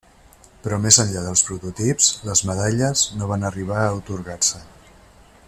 Però més enllà dels prototips, les medalles no van arribar a atorgar-se.